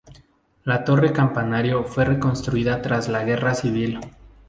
La torre campanario fue reconstruida tras la guerra civil.